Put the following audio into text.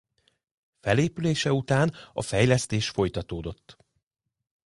Felépülése után a fejlesztés folytatódott.